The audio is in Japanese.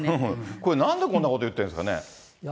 これ、なんでこんなこと言ってるんですかね。